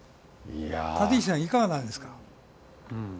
立石さん、いかがなんですか？